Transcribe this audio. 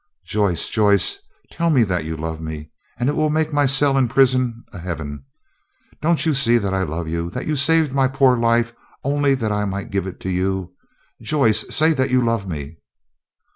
"Joyce! Joyce! tell me that you love me, and it will make my cell in prison a heaven. Don't you see that I love you, that you saved my poor life only that I might give it to you? Joyce, say that you love me!"